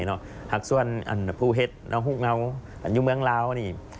หากส่วนผู้เฮ็ดฮุกเงาอยู่เมืองราวนี่